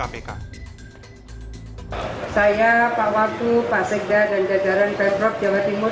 saya pak wagu pak sekda dan jajaran pemprov jawa timur